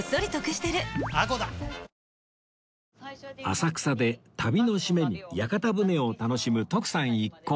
浅草で旅の締めに屋形船を楽しむ徳さん一行